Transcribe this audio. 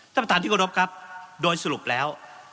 ท่านประธานที่กรบครับโดยสรุปแล้ว